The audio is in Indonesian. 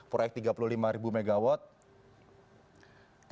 proyek tiga puluh lima ribu megawatt